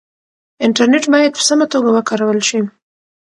انټرنټ بايد په سمه توګه وکارول شي.